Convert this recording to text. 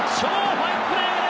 ファインプレー、渡邉。